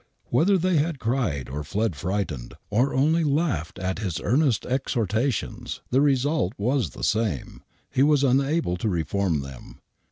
Whether they had cried or fled frightened, or only laughed at his earnest exortations, the result was the same. He was unable to reform them.